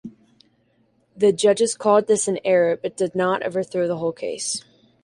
The judges called this an error but did not overthrow the whole case.